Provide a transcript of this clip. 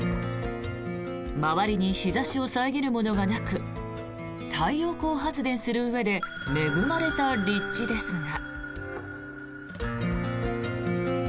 周りに日差しを遮るものはなく太陽光発電するうえで恵まれた立地ですが。